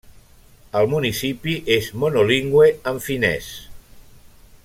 El municipi és monolingüe en finès.